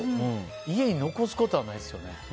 家に残すことはないですよね。